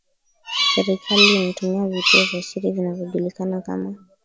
serikali inatumia vituo vya siri vinavyojulikana kama